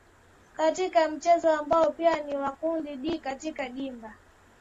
katika mchezo ambao pia ni wa kundi d katika dimba